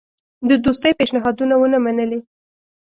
د دوستی پېشنهادونه ونه منلې.